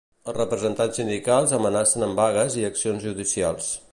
Els representants sindicals amenacen amb vagues i accions judicials.